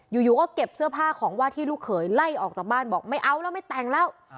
อยู่ก็เก็บเสื้อผ้าของว่าที่ลูกเขยไล่ออกจากบ้านบอกไม่เอาแล้วไม่แต่งแล้ว